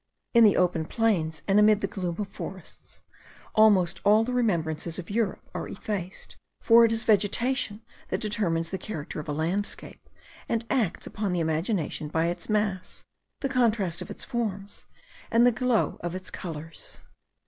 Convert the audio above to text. In the open plains and amid the gloom of forests, almost all the remembrances of Europe are effaced; for it is vegetation that determines the character of a landscape, and acts upon the imagination by its mass, the contrast of its forms, and the glow of its colours.